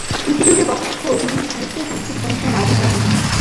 ইনস্টিটিউটের পক্ষ বিভিন্ন সাহিত্য ও সাংস্কৃতিক অনুষ্ঠানের আয়োজন করা হয়ে থাকে।